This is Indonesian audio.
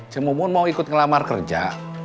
cemomun mau ikut ngelamar kerja